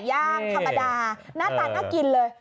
หน้าตาน่ากินเลย